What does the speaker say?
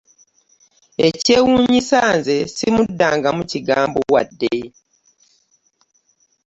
Ekyewuunyisa nze ssimuddangamu kigambo wadde.